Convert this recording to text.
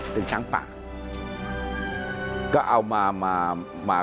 ที่จะให้